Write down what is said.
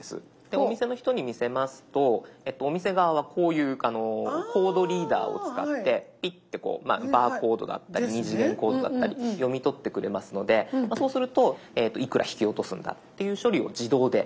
お店の人に見せますとお店側はこういうコードリーダーを使ってピッてこうバーコードだったり二次元コードだったり読み取ってくれますのでそうするといくら引き落とすんだっていう処理を自動でやってくれます。